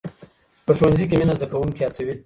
په ښوونځي کې مینه زده کوونکي هڅوي.